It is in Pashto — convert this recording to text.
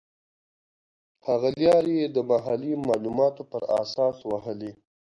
هغه لیارې یې د محلي معلوماتو پر اساس وهلې.